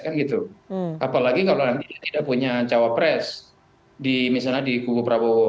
apalagi kalau nanti tidak punya cawapres di misalnya di kubu prabowo